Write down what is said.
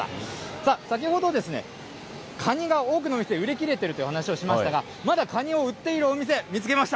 さあ、先ほどですね、カニが多くのお店で売り切れてるというお話をしましたが、まだカニを売っているお店、見つけました。